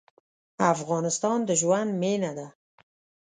افغانستان د ژوند مېنه ده.